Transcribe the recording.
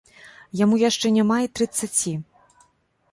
Яму яшчэ няма і трыццаці.